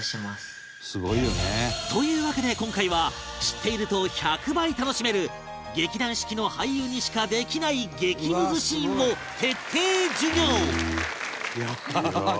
というわけで今回は知っていると１００倍楽しめる劇団四季の俳優にしかできない激ムズシーンを徹底授業